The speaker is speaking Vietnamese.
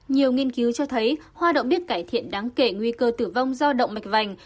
nhiều nghiên cứu cho thấy hoa đậu biết cải thiện đáng kể nguy cơ tử vong do động mạch vành